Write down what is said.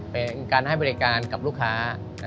เป็นการให้บริการกับลูกค้า